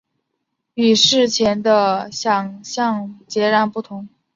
与事前的想像截然不同